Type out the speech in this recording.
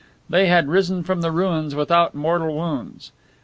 They had risen from the ruins without mortal wounds.